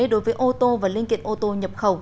đối với ô tô và linh kiện ô tô nhập khẩu